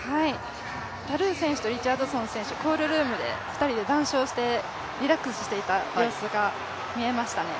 タルー選手とリチャードソン選手、コールルームで、２人で談笑して、リラックスしていた様子が見えましたね。